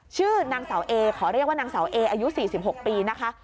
ชื่อนางเสาเอขอเรียกว่านางเสาเออายุ๔๖ปีนะคะ